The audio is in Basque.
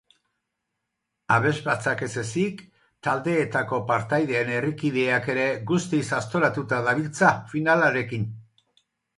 Abesbatzak ezezik, taldeetako partaideen herrikideak ere guztiz aztoratuta dabiltza finalarekin.